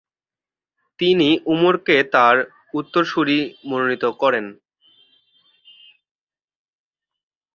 তিনি উমরকে তার উত্তরসুরি মনোনীত করেন।